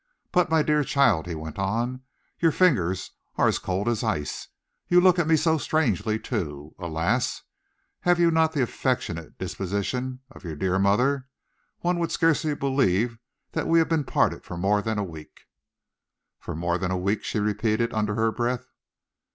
But my dear child," he went on, "your fingers are as cold as ice. You look at me so strangely, too. Alas! you have not the affectionate disposition of your dear mother. One would scarcely believe that we have been parted for more than a week." "For more than a week," she repeated, under her breath.